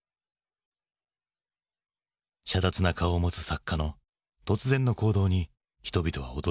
しゃだつな顔を持つ作家の突然の行動に人々は驚いた。